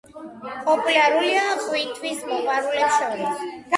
პოპულარულია ყვინთვის მოყვარულებს შორის.